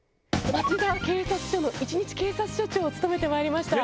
町田警察署の一日警察署長を務めてまいりました。